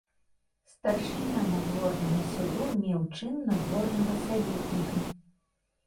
Старшыня надворнага суду меў чын надворнага саветніка.